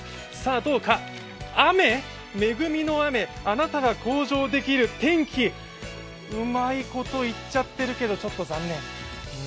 雨、めぐみの雨、あなたが向上できるてんき、うまいこと言っちゃってるけど、ちょっと残念。